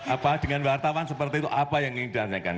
apa dengan wartawan seperti itu apa yang ditanyakan